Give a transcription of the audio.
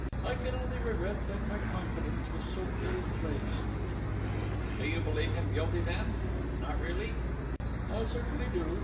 I can only regret now that my confidence was so ill placed." "Do you believe him guilty then?... Not really?" "I certainly do!...